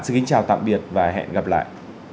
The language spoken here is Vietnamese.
xin chào tạm biệt và hẹn gặp lại